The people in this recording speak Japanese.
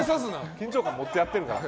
緊張感持ってやってるから。